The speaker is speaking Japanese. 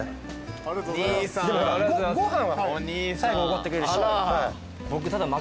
ご飯は最後おごってくれるし。